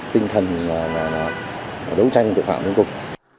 tinh thần mà đấu tranh tội phạm đến cùng